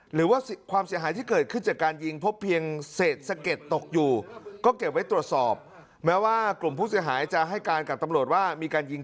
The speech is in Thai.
หรือว่าความเสียหายที่เกิดขึ้นจากการยิง